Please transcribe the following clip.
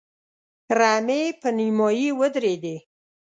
رمې په نيمايي ودرېدې.